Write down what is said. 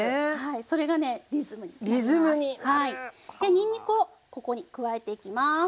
にんにくをここに加えていきます。